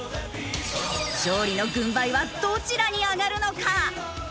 勝利の軍配はどちらに上がるのか？